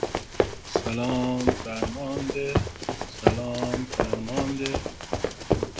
Among all extant canids, only the fennec fox is smaller than Blanford's.